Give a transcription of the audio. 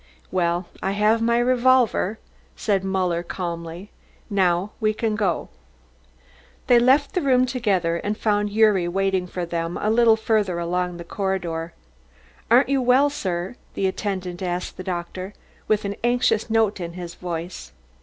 "Well, I have my revolver," said Muller calmly, "and now we can go." They left the room together, and found Gyuri waiting for them a little further along the corridor. "Aren't you well, sir?" the attendant asked the doctor, with an anxious note in his voice.